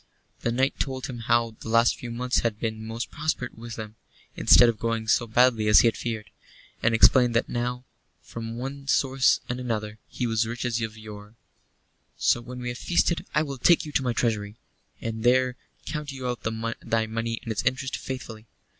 The knight told him how the last few months had been most prosperous with him, instead of going so badly as he had feared; and explained that now, from one source and another, he was as rich as of yore. "So when we have feasted I will take you to my treasury, and there count you out thy money and its interest faithfully.